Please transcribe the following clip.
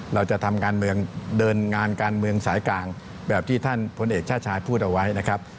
เราจะทำการเมืองเดินงานการเมืองสายกลางแบบที่ท่านพลเอกชาติชายพูดเอาไว้นะครับ